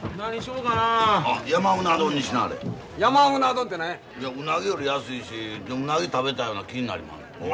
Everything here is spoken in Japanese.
うなぎより安いしうなぎ食べたような気になりまんねん。